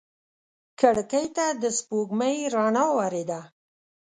کړکۍ ته د سپوږمۍ رڼا ورېده.